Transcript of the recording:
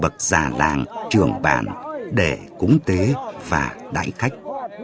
cho các vật giả làng trường bản để cúng tế và đại khách